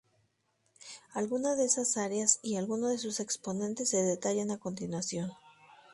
Algunas de esas áreas y algunos de sus exponentes se detallan a continuación.